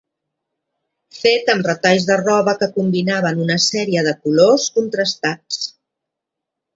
Fet amb retalls de roba que combinaven una sèrie de colors contrastats.